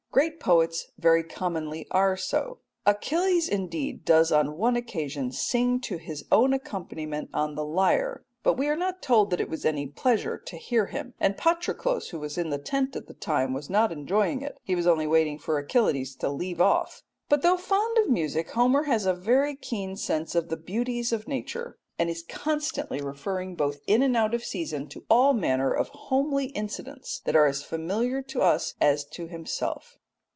Great poets very commonly are so. Achilles, indeed, does on one occasion sing to his own accompaniment on the lyre, but we are not told that it was any pleasure to hear him, and Patroclus, who was in the tent at the time, was not enjoying it; he was only waiting for Achilles to leave off. But though not fond of music, Homer has a very keen sense of the beauties of nature, and is constantly referring both in and out of season to all manner of homely incidents that are as familiar to us as to himself.